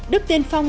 đức tiên phong